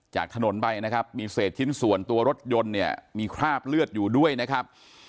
จากถนนไปนะครับมีเศษชิ้นส่วนตัวรถยนต์เนี่ยมีคราบเลือดอยู่ด้วยนะครับ